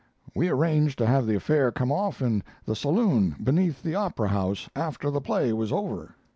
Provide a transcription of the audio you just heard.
We arranged to have the affair come off in the saloon beneath the Opera House after the play was over.